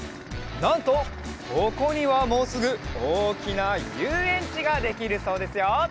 なんとここにはもうすぐおおきなゆうえんちができるそうですよ。